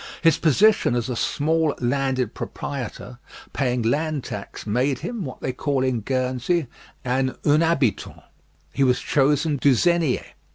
His position as a small landed proprietor paying land tax, made him, what they call in Guernsey, an unhabitant. He was chosen douzenier.